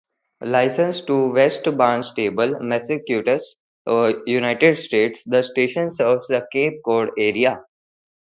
Licensed to West Barnstable, Massachusetts, United States, the station serves the Cape Cod area.